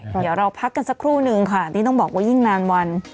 เดี๋ยวเราพักกันสักครู่นึงค่ะนี่ต้องบอกว่ายิ่งนานวัน